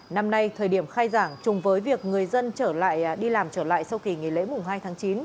năm nay thời điểm khai giảng chung với việc người dân đi làm trở lại sau kỳ nghỉ lễ mùa hai tháng chín